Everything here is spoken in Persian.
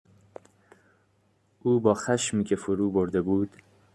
او با خشمی که فرو برده بود،